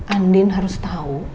andin harus tau